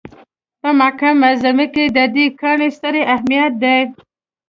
په مکه معظمه کې د دې کاڼي ستر اهمیت دی.